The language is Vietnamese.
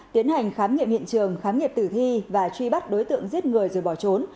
tiến hành khám nghiệm hiện trường khám nghiệm tử thi và truy bắt đối tượng giết người rồi bỏ trốn